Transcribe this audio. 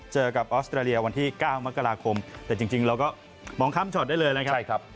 เจอกับออสเตรเลียวันที่๙มกราคมแต่จริงเราก็มองข้ามช็อตได้เลยนะครับ